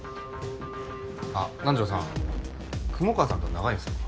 あ南条さん雲川さんとは長いんですか？